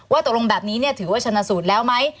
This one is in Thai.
ว่าตรงแบบนี้ถือว่าชะนาสูตรแล้วไหม